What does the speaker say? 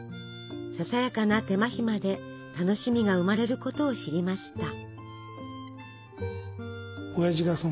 ささやかな手間暇で楽しみが生まれることを知りました。